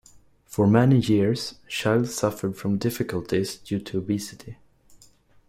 For many years, Childs suffered from difficulties due to obesity.